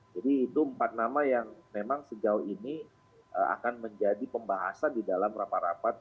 jadi itu empat nama yang memang sejauh ini akan menjadi pembahasan di dalam rapat rapat